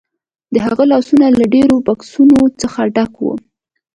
د هغه لاسونه له ډیرو بکسونو څخه ډک وو